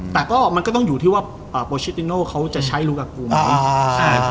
แต่ก็มันก็ต้องอยู่ที่ว่าโปรชิติโน่เขาจะใช้ลูกกับกูไหม